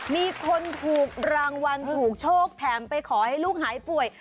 มีคนถูกรางวัลถูกโชคแถมไปขอให้ลูกหายป่วย